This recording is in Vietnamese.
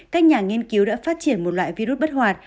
các nhà nghiên cứu đã phát triển một loại virus bất hoạt